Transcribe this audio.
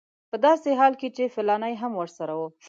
په داسې حال کې چې فلانی هم ورسره و.